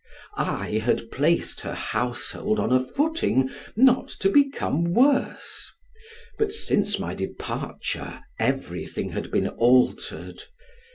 I had placed her household on a footing not to become worse; but since my departure everything had been altered.